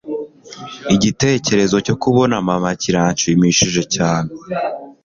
igitekerezo cyo kubona mama kiranshimishije cyane